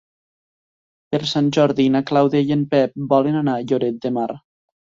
Per Sant Jordi na Clàudia i en Pep volen anar a Lloret de Mar.